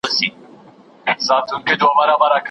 د جرګي په فضا کي به د حق او حقیقت ږغ پورته کيده.